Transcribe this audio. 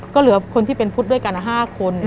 ก็เหลือคนที่เป็นพุทธด้วยกัน๕คน